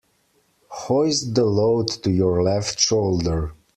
Hoist the load to your left shoulder.